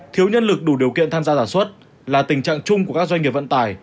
thiếu nhân lực đủ điều kiện tham gia sản xuất là tình trạng chung của các doanh nghiệp vận tải